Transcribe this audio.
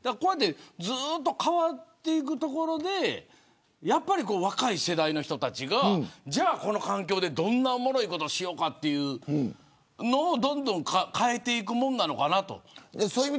ずっと変わっていくところでやっぱり若い世代の人たちがじゃあ、この環境でどんな、おもろいことをしようというのを、どんどん変えていくものなのかなと。